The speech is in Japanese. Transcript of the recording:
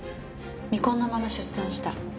未婚のまま出産した。